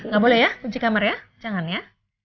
nggak boleh ya kunci kamar ya jangan ya